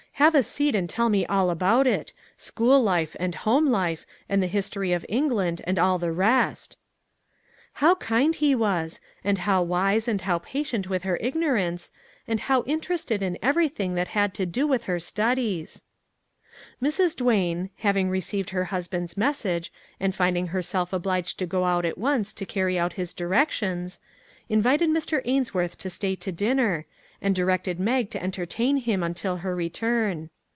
Have a seat and tell me all about it school life, and home life, and the history of England, and all the rest" How kind he was! and how wise and how 348 "THAT LITTLE MAG JESSUP" patient with her ignorance, and how inter ested in everything that had to do with her studies ! Mrs. Duane, having received her husband's message, and rinding herself obliged to go out at once to carry out his directions, invited Mr. Ainsworth to stay to dinner, and directed Mag to entertain him until her return.